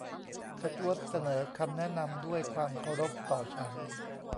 สจ๊วตเสนอคำแนะนำด้วยความเคารพต่อฉัน